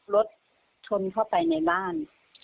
รถชนเข้าไปในบ้าน